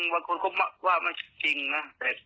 บางคนก็ว่ามันจริงนะ